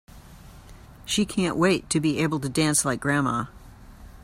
She can't wait to be able to dance like grandma!